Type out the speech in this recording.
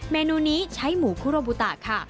เมนูนี้ใช้หมูคุโรบุตะค่ะ